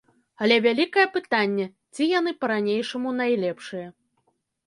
Але вялікае пытанне, ці яны па-ранейшаму найлепшыя.